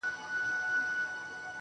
ستا له تصويره سره.